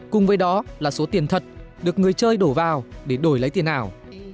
cùng với đó là số tiền thật được người chơi đổ vào để đổi lấy tiền ảo